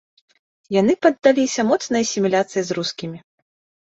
Яны паддаліся моцнай асіміляцыі з рускімі.